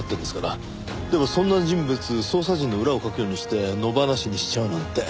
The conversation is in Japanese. でもそんな人物捜査陣の裏をかくようにして野放しにしちゃうなんて。